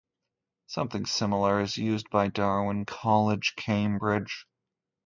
Something similar is used by Darwin College, Cambridge.